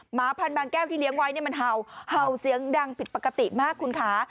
หมาพันบางแก้วที่เลี้ยงไว้เนี่ยมันเห่าเห่าเสียงดังผิดปกติมากคุณค่ะ